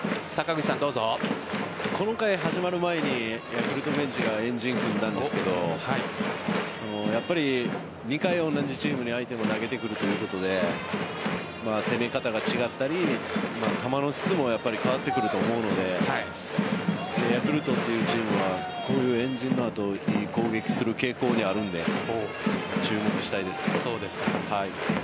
この回始まる前にヤクルトベンチが円陣を組んだんですが２回同じチームに相手も投げてくるということで攻め方が違ったり、球の質も変わってくると思うのでヤクルトというチームはこういう円陣の後にいい攻撃する傾向にあるので注目したいですね。